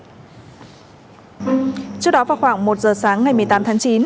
trước đó vào khoảng một giờ sáng ngày một mươi tám tháng chín